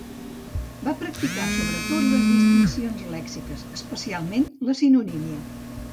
Va practicar sobretot les distincions lèxiques, especialment la sinonímia.